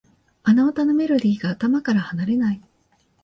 あの歌のメロディーが頭から離れない